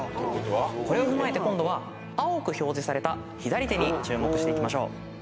これを踏まえて今度は青く表示された左手に注目していきましょう。